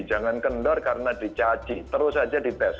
jangan kendor karena dicaci terus saja dites